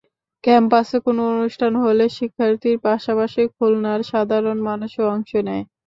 ক্যাম্পাসে কোনো অনুষ্ঠান হলে শিক্ষার্থীর পাশাপাশি খুলনার সাধারণ মানুষও অংশ নেয়।